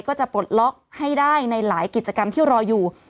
ก็จะปลดล็อกให้ได้ในหลายกิจกรรมที่รออยู่